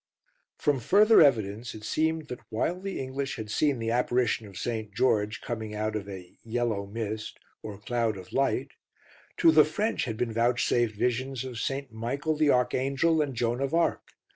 From further evidence it seemed that while the English had seen the apparition of St. George coming out of a "yellow mist" or "cloud of light," to the French had been vouchsafed visions of St. Michael the Archangel and Joan of Arc.